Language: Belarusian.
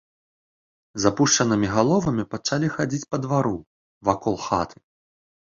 З апушчанымі галовамі пачалі хадзіць па двару, вакол хаты.